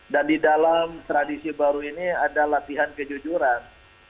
dan di dalam tradisi baru ini ada latihan kejujuran